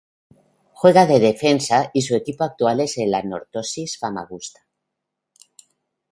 Juega de defensa y su equipo actual es el Anorthosis Famagusta.